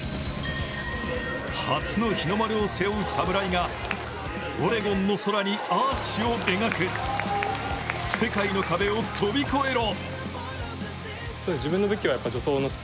初の日の丸を背負う侍がオレゴンの空にアーチを描く世界の壁を跳び越えろ。